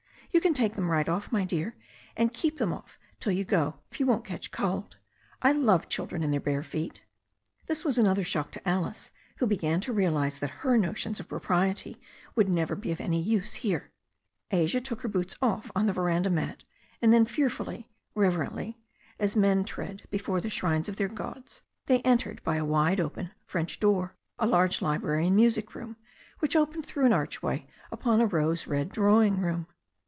"You can take them right off, my dear, and keep them off till you go, if you won't catch cold. I love children in their bare feet." This was another shock to Alice, who began to realize that her notions of propriety would never be any use here. Asia took her boots off on the veranda mat, and then fear fully, reverently, as men tread before the shrines of their gods, they entered by a wide open French door a large Ubrary and music room, which opened through an arch way upon a rose red drawing room.